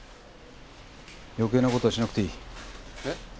余計なことはしなくていいえッ？